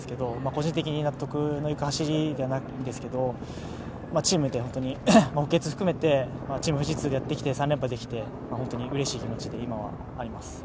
個人的に納得のいく走りじゃないですけど、補欠含めてチーム・富士通でやってきて３連覇できて、本当にうれしい気持ちで今はあります。